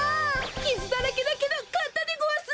きずだらけだけどかったでごわす！